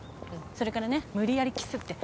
それからね無理やりキスって。